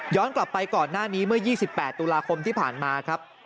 กลับไปก่อนหน้านี้เมื่อ๒๘ตุลาคมที่ผ่านมาครับ